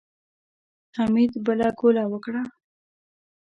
حميد بله ګوله وکړه.